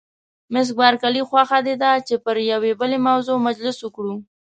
مس بارکلي: خوښه دې ده چې پر یوې بلې موضوع مجلس وکړو؟